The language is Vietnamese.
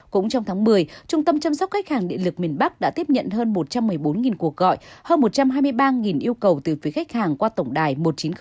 cũng trong tháng một mươi trung tâm chăm sóc khách hàng địa lực miền bắc đã tiếp nhận hơn một trăm một mươi bốn cuộc gọi hơn một trăm hai mươi ba yêu cầu từ phía khách hàng qua tổng đài một chín không không sáu bảy sáu chín